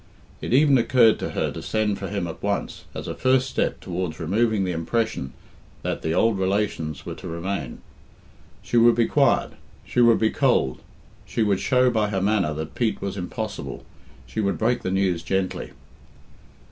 It even occurred to her to send for him at once, as a first step towards removing the impression that the old relations were to remain. She would be quiet, she would be cold, she would show by her manner that Pete was impossible, she would break the news gently.